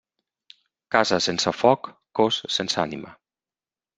Casa sense foc, cos sense ànima.